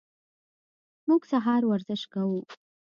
موږ سهار ورزش کوو.